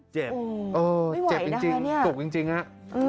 เจ็บไม่ไหวนะคะนี่อืมเจ็บจริงจุกจริงครับ